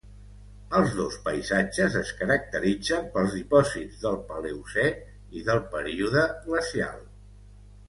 Els dos paisatges es caracteritzen pels dipòsits del Paleocè i del període glacial.